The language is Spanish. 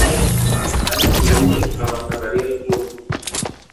Al año siguiente abandonaría el club.